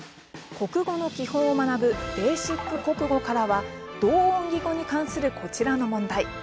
国語の基本を学ぶ「ベーシック国語」からは同音異義語に関するこちらの問題。